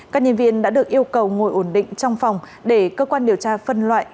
các nhân viên đã được yêu cầu ngồi ổn định trong phòng để cơ quan điều tra phân loại